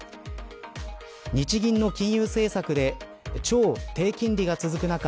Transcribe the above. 日銀の金融政策で超低金利が続く